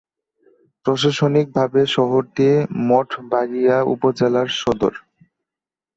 প্রশাসনিকভাবে শহরটি মঠবাড়িয়া উপজেলার সদর।